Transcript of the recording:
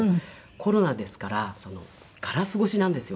コロナですからガラス越しなんですよ。